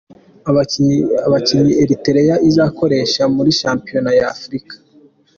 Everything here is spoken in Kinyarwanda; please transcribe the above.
Abakinnyi Eritrea izakoresha muri shampiyona y’Afurika:.